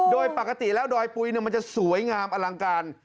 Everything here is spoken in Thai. โดยปกติแล้วดอยปุ๋ยมันจะสวยงามอลังการ